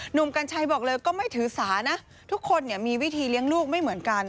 กัญชัยบอกเลยก็ไม่ถือสานะทุกคนเนี่ยมีวิธีเลี้ยงลูกไม่เหมือนกัน